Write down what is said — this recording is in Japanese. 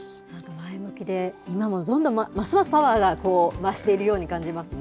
前向きで、今もますますパワーが、こう、増しているように感じますね。